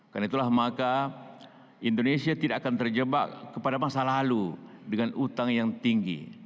karena itulah maka indonesia tidak akan terjebak kepada masa lalu dengan utang yang tinggi